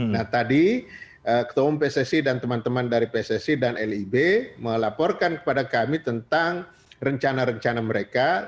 nah tadi ketua umum pssi dan teman teman dari pssi dan lib melaporkan kepada kami tentang rencana rencana mereka